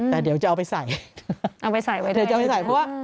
แต่เดี๋ยวจะเอาไปใส่เอาไปใส่ไว้เถอะเดี๋ยวจะเอาไปใส่เพราะว่า